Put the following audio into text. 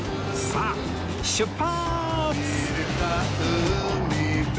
さあ出発！